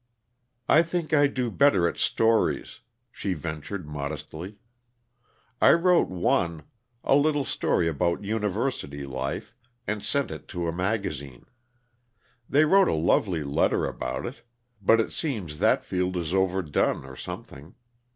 "I think I do better at stories," she ventured modestly. "I wrote one a little story about university life and sent it to a magazine. They wrote a lovely letter about it, but it seems that field is overdone, or something.